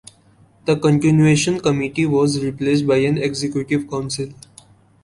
The "Continuation Committee" was replaced by an "Executive Council".